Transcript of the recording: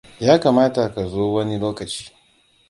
Ya kamata ka zo wani lokaci.